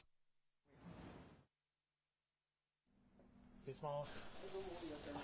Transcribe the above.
失礼します。